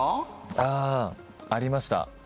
あありました。